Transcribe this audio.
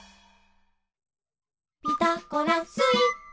「ピタゴラスイッチ」